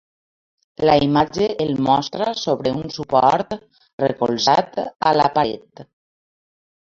La imatge el mostra sobre un suport recolzat a la paret.